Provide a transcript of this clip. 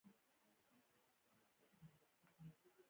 ډیټابیس مدیریت د شرکتونو لپاره اړین مهارت دی.